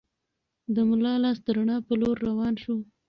د ملا لاس د رڼا په لور روان و.